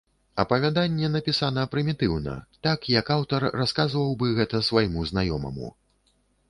Апавяданне напісана прымітыўна, так, як аўтар расказваў бы гэта свайму знаёмаму.